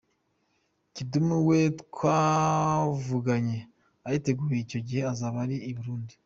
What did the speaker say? Kidum we twavuganye ariteguye, icyo gihe azaba ari i Burundi.